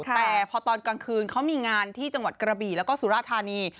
แต่พอตอนกลางคืนเขามีงานที่จังหวัดกระบี่แล้วก็สุราธานี